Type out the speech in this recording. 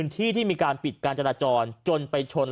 ที่ที่มีการปิดการจราจรจนไปชน